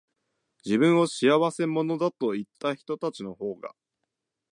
自分を仕合せ者だと言ったひとたちのほうが、